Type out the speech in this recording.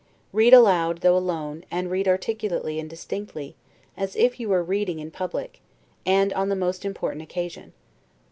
Read aloud, though alone, and read articulately and distinctly, as if you were reading in public, and on the most important occasion.